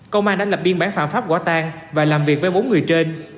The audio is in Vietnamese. công an đã lập biên bản phạm pháp quả tan và làm việc với bốn người trên